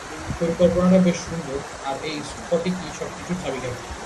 পরিকল্পনাটা বেশ সুন্দর, আর, এই স্ফটিকই সবকিছুর চাবিকাঠি।